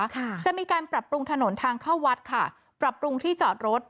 ค่ะจะมีการปรับปรุงถนนทางเข้าวัดค่ะปรับปรุงที่จอดรถ